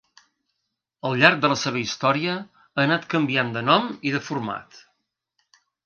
Al llarg de la seva història ha anat canviant de nom i de format.